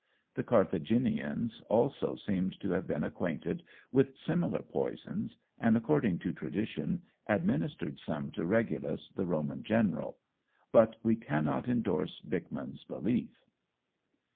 The Carthaginians also seem to have been acquainted with similar poisons, and, according to tradition, administered some to Regulus, the Roman general. But we cannot endorse Bickman's belief.